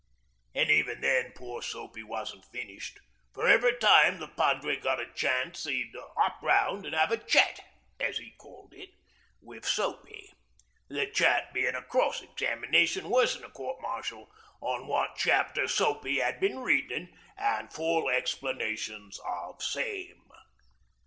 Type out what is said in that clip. An even then poor Soapy wasn't finished, for every time the padre got a chance 'e'd 'op round an' 'ave a chat, as 'e called it, wi' Soapy, the chat being a cross examination worse'n a Court Martial on what chapter Soapy 'ad been readin,' an' full explanations of same.